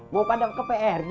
mau padam ke prj